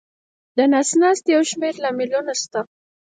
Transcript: د نس ناستي یو شمېر لاملونه شته.